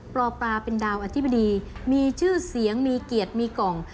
ปลาเป็นดาวอธิบดีมีชื่อเสียงมีเกียรติมีกล่อง